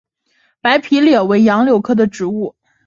白皮柳为杨柳科柳属的植物。